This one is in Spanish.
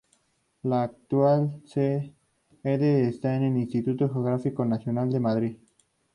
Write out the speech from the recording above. La actual sede está en el Instituto Geográfico Nacional de Madrid.